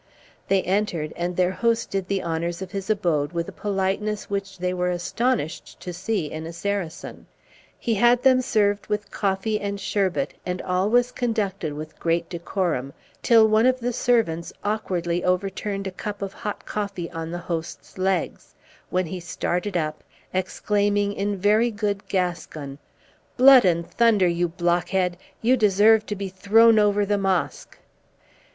They entered, and their host did the honors of his abode with a politeness which they were astonished to see in a Saracen. He had them served with coffee and sherbet, and all was conducted with great decorum, till one of the servants awkwardly overturned a cup of hot coffee on the host's legs, when he started up, exclaiming in very good Gascon, "Blood and thunder! you blockhead, you deserve to be thrown over the mosque!"